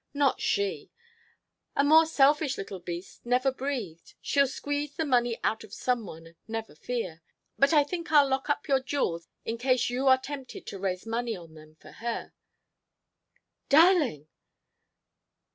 "Not she. A more selfish little beast never breathed. She'll squeeze the money out of some one, never fear! But I think I'll lock up your jewels in case you are tempted to raise money on them for her Darling!"